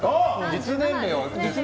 実年齢は？